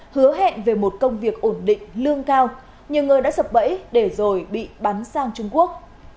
hứa hẹn về một công việc ổn định lương cao nhiều người đã sập bẫy để rồi bị bắn sang trung quốc